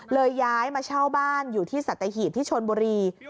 ย้ายมาเช่าบ้านอยู่ที่สัตหีบที่ชนบุรี